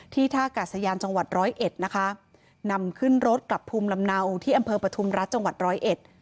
ท่ากาศยานจังหวัดร้อยเอ็ดนะคะนำขึ้นรถกลับภูมิลำเนาที่อำเภอปฐุมรัฐจังหวัดร้อยเอ็ด